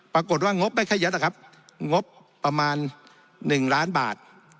ปรากฏว่างบไม่ค่อยยัดนะครับงบประมาณ๑ล้านบาท